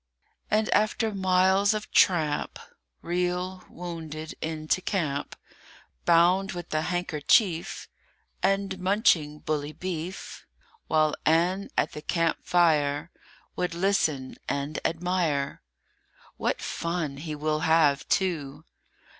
AND, after miles of tramp, Reel, wounded, into camp, Bound with a handkerchief, And munching bully beef; While Ann at the camp fire Would listen and admire. WHAT fun he will have, too!